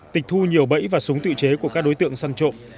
tịch thu nhiều bẫy và súng tự chế của các đối tượng săn trộm